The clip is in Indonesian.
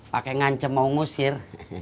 pakai ngancem mau ngusir